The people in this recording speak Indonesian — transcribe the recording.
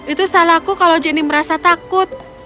itu salahku kalau jenny merasa takut